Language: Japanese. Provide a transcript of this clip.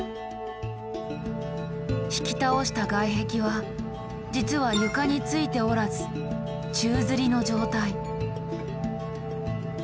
引き倒した外壁は実は床についておらず宙づりの状態。